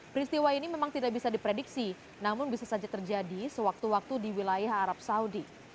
peristiwa ini memang tidak bisa diprediksi namun bisa saja terjadi sewaktu waktu di wilayah arab saudi